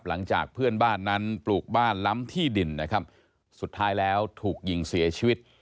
หลังจากเพื่อนบ้านนั้นปลูกบ้านล้ำที่ดินนะครับสุดท้ายแล้วถูกยิงเสียชีวิต